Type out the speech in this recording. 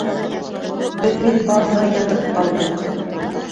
Беҙ бит баҙҙа ятып ҡалдыҡ!